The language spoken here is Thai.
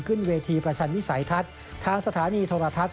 ขึ้นเวทีประชันวิสัยทัศน์ทางสถานีโทรทัศน